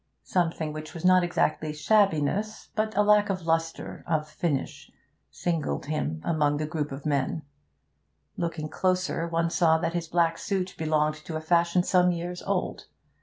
Something which was not exactly shabbiness, but a lack of lustre, of finish, singled him among the group of men; looking closer, one saw that his black suit belonged to a fashion some years old.